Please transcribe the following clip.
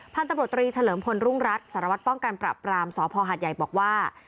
ท่านตำรวจตรีเฉลิมพลรุ่งรัฐสารวัตรป้องกันปรับปรามสพหาดใหญ่บอกว่า